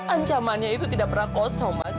ancamannya itu tidak pernah kosong